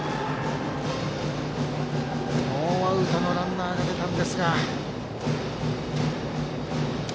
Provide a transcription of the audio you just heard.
ノーアウトのランナーが出ましたが。